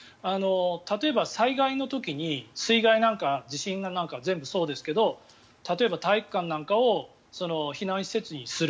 例えば、災害の時に水害や地震なんか全部そうですけど例えば、体育館なんかを避難施設にする。